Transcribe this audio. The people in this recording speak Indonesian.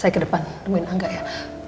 saya ke depan mungkin angga ya